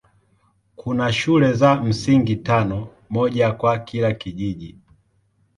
Kuna shule za msingi tano, moja kwa kila kijiji.